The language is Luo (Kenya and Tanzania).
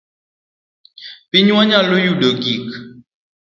Pinywa nyalo yudo gik